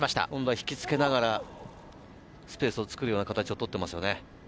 引きつけながらスペースを作るような形をとっていますよね。